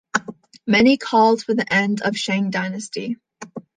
Many called for the end of the Shang dynasty.